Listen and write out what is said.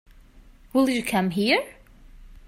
Will you come here?